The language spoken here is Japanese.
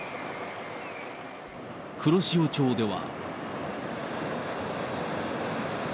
黒潮町では。